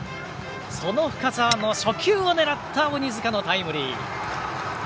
その深沢の初球を狙った鬼塚のタイムリー。